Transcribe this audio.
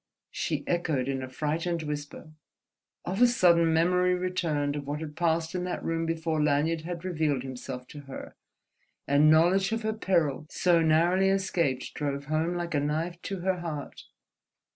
she echoed in a frightened whisper. Of a sudden memory returned of what had passed in that room before Lanyard had revealed himself to her, and knowledge of her peril so narrowly escaped drove home like a knife to her heart.